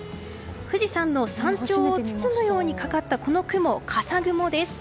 富士山の山頂を包むようにかかったこの雲笠雲です。